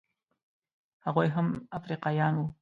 هغوی هم افریقایان وو.